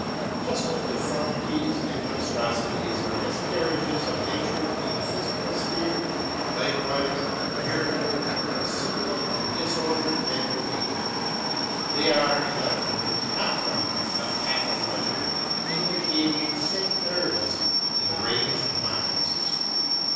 Just as deformities and monstrosities are miscarriages of nature in the physical sphere, likewise ''miracles are a symptom of disordered mental nature. They are, in other words, not normal, but pathological, in dicating sick nerves and deranged minds.